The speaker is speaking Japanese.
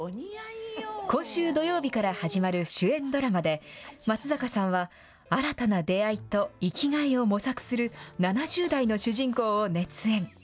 今週土曜日から始まる主演ドラマで、松坂さんは、新たな出会いと生きがいを模索する７０代の主人公を熱演。